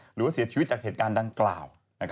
หรือว่าเสียชีวิตจากเหตุการณ์ดังกล่าว